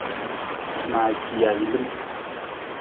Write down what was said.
Maaci ahilim.